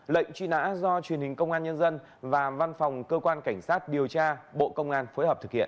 lệnh truy nã do truyền hình công an nhân dân và văn phòng cơ quan cảnh sát điều tra bộ công an phối hợp thực hiện